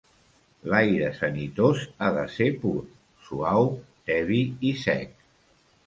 L'aire sanitós ha de ser pur, suau, tebi i sec.